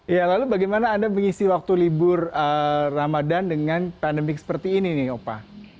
ya lalu bagaimana anda mengisi waktu libur ramadan dengan pandemi seperti ini nih opa